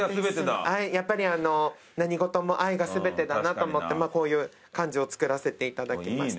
やっぱり何事も愛が全てだなと思ってこういう漢字をつくらせていただきました。